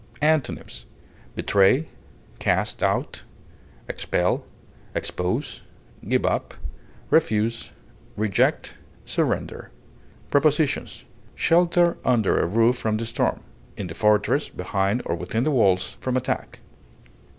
Antonyms: betray, expel, expose, give up, refuse, reject, surrender. cast out, Prepositions: Shelter under a roof from the storm; in the fortress, behind or within the walls, from attack.